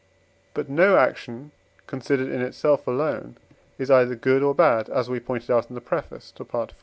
But no action, considered in itself alone, is either good or bad (as we pointed out in the preface to Pt.